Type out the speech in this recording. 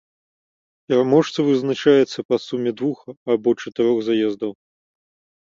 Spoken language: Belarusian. Пераможца вызначаецца па суме двух або чатырох заездаў.